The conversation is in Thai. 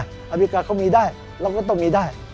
อเมริกาเขามีได้เราก็ต้องมีได้